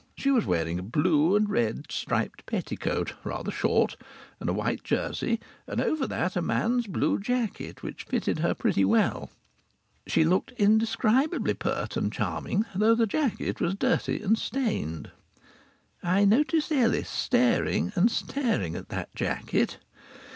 She was wearing a blue and red striped petticoat, rather short, and a white jersey, and over that a man's blue jacket, which fitted her pretty well. She looked indescribably pert and charming, though the jacket was dirty and stained. I noticed Ellis staring and staring at that jacket....